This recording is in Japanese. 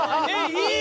いい！